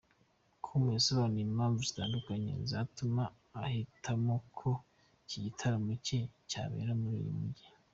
com, yasobanuye impamvu zitandukanye yatumye ahitamo ko iki gitaramo cye cyabera muri uyu mujyi.